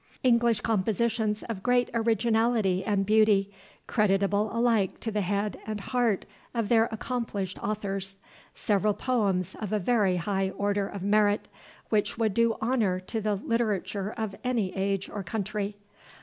".... English compositions of great originality and beauty, creditable alike to the head and heart of their accomplished authors.... several poems of a very high order of merit, which would do honor to the literature of any age or country....